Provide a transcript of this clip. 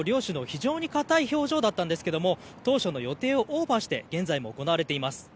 非常に硬い表情だったんですが当初の予定をオーバーして現在も行われています。